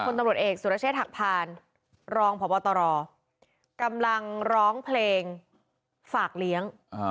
ตำรวจเอกสุรเชษฐหักพานรองพบตรกำลังร้องเพลงฝากเลี้ยง